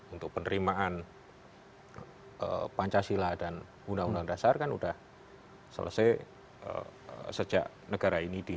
untuk penerimaan pancasila dan undang undang dasar kan sudah selesai sejak negara ini di